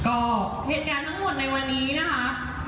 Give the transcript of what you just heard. ก็เหตุการณ์ทั้งหมดในวันนี้นะคะ